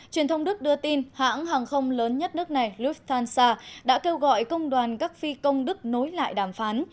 truyền thông đức đưa tin hãng hàng không lớn nhất nước này lufthansa đã kêu gọi công đoàn các phi công đức nối lại đàm phán